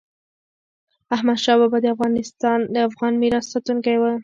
احمدشاه بابا د افغان میراث ساتونکی و.